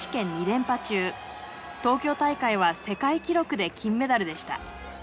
東京大会は世界記録で金メダルでした。